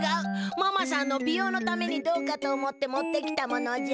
ママさんのびようのためにどうかと思って持ってきたものじゃ。